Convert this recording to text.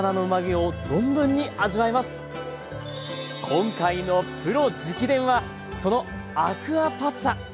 今回の「プロ直伝！」はそのアクアパッツァ。